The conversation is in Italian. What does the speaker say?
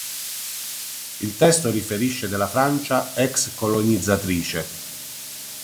Il testo riferisce della Francia, ex-colonizzatrice.